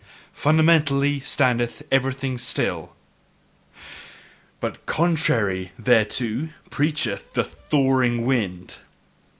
"Fundamentally standeth everything still" : but CONTRARY thereto, preacheth the thawing wind!